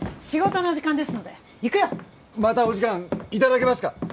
仕事の時間ですので行くよまたお時間いただけますか？